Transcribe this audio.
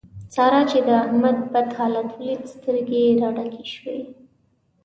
سارا چې د احمد بد حالت وليد؛ سترګې يې را ډکې شوې.